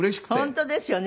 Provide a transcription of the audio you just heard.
本当ですよね。